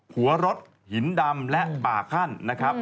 หัวรถหินดำและป่าขั้นนะครับ